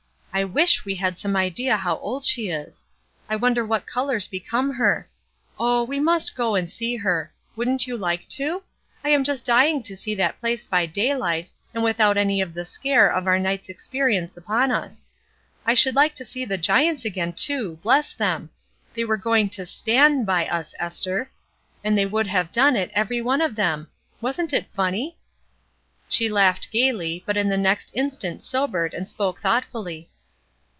I wish we had some idea how old she is! I wonder what colors become her. Oh, we must go and see her! Wouldn't you like to? I'm just dying to see that place by daylight, and without any of the ^ scare' of our night's experience upon us. I should like to see the giants again, too, bless them! They were going to *stan'' by us, Esther! and they would have done it, every one of them. Wasn't it funny?" She laughed gayly, but in the next instant sobered and spoke thoughtfully.